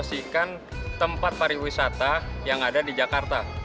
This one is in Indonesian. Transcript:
bagaimana cara kalian mempromosikan tempat pariwisata yang ada di jakarta